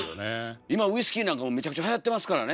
今ウイスキーなんかもめちゃくちゃはやってますからね。